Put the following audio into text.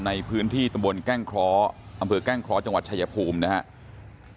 ในพื้นที่ตำบลแก้งเคราะห์อำเภอแกล้งเคราะห์จังหวัดชายภูมินะครับ